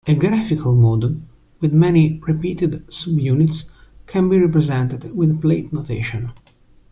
A graphical model with many repeated subunits can be represented with plate notation.